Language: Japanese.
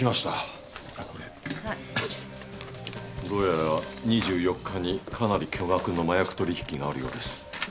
どうやら２４日にかなり巨額の麻薬取引があるようです。